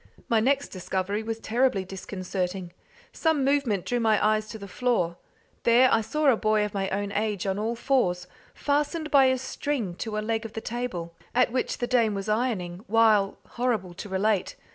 My next discovery was terribly disconcerting. Some movement drew my eyes to the floor; there I saw a boy of my own age on all fours, fastened by a string to a leg of the table at which the dame was ironing, while horrible to relate!